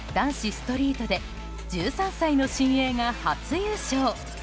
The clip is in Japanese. ストリートで１３歳の新鋭が初優勝。